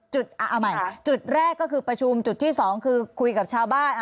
เอาใหม่จุดแรกก็คือประชุมจุดที่๒คือคุยกับชาวบ้าน